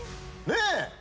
ねえ？